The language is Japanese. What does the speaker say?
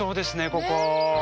ここ。